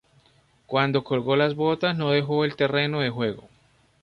Cuando colgó las botas no dejó el terreno de juego.